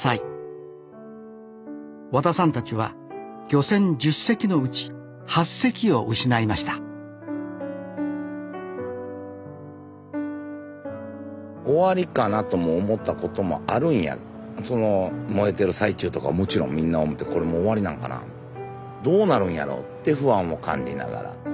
和田さんたちは漁船１０隻のうち８隻を失いました終わりかなとも思ったこともあるんやがその燃えてる最中とかもちろんみんな思ってこれもう終わりなんかなどうなるんやろうって不安を感じながら。